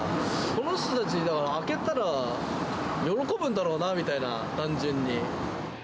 この人たち、だから開けたら喜ぶんだろうなみたいな、単純に。